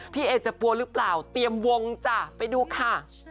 พี่เอจะปัวหรือเปล่าเตรียมวงจ้ะไปดูค่ะ